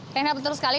reinhardt betul sekali